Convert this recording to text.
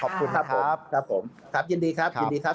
ขอบคุณครับผมยินดีครับสวัสดีครับ